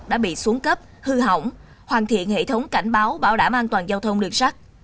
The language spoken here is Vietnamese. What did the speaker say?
đã bị xuống cấp hư hỏng hoàn thiện hệ thống cảnh báo bảo đảm an toàn giao thông đường sắt